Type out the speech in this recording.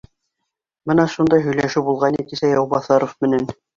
Бына шундай һөйләшеү булғайны кисә Яубаҫаров менән